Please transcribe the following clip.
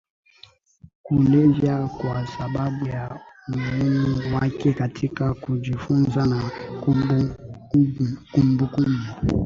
kulevya kwa sababu ya umuhimu wake katika kujifunza na kumbukumbu